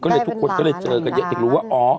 ก็เลยทุกคนก็เลยเจอกันเยอะถึงรู้ว่าอ๋อ